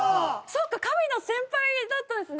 そうか神の先輩だったんですね！